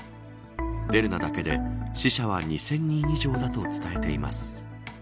デルナだけで、死者は２０００人以上だと伝えています。